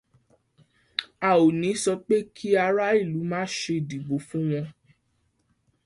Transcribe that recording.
A ò ní sọ pé kí ará ìlú má ṣé dìbò fún wọn